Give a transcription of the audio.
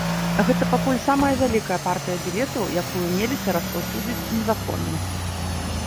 Гэта пакуль самая вялікая партыя білетаў, якую меліся распаўсюдзіць незаконна.